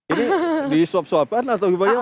ini disuap suapkan atau bagaimana